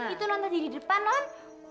itu nont tadi di depan nont